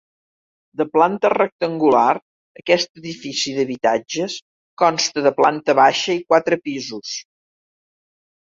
De planta rectangular, aquest edifici d'habitatges consta de planta baixa i quatre pisos.